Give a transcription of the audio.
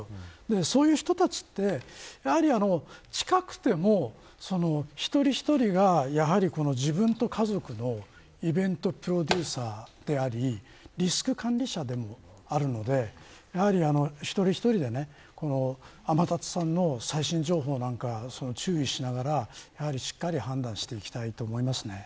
そういう人たちは近くても、一人一人が自分と家族のイベントプロデューサーでありリスク管理者でもあるので一人一人で天達さんの最新情報なんか注意しながらしっかり判断していきたいと思いますね。